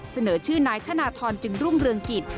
เสนอชื่อนายธนทรจึงรุ่งเรืองกิจ